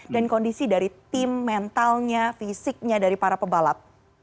dan kondisi dari tim mentalnya fisiknya dari para pembalap